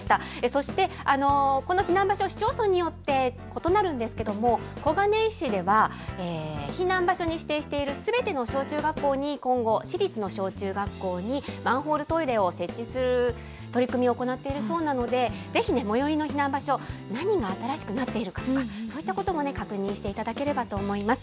そして、この避難場所、市町村によって異なるんですけども、小金井市では避難場所に指定しているすべての小中学校に今後、市立の小中学校にマンホールトイレを設置する取り組みを行っているそうなので、ぜひ最寄りの避難場所、何が新しくなっているかとか、そういったことも確認していただければと思います。